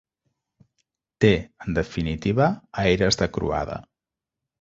Té, en definitiva, aires de croada.